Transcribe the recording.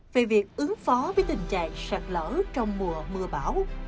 về việc ứng phó với tình trạng sạt lở trong mùa mưa bão